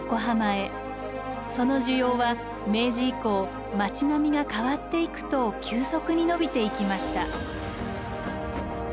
その需要は明治以降町並みが変わっていくと急速に伸びていきました。